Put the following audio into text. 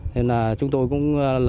nên là chúng tôi cũng là